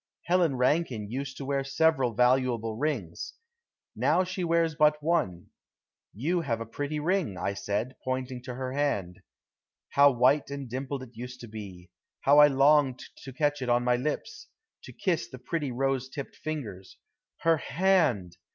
Helen Rankine used to wear several valuable rings. Now she wears but one. "You have a pretty ring," I said, pointing to her hand! How white and dimpled it used to be. How I longed to catch it to my lips, to kiss the pretty rosy tipped fingers! Her hand!